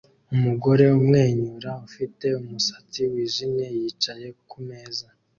Umugore umwenyura ufite umusatsi wijimye yicaye kumeza